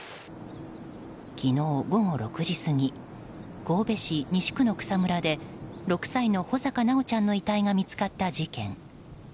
昨日午後６時過ぎ神戸市西区の草むらで６歳の穂坂修ちゃんの遺体が見つかった事件。